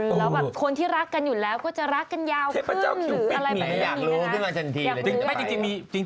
แล้วแบบคนที่รักกันอยู่แล้วก็จะรักกันยาวขึ้นหรืออะไรแบบนี้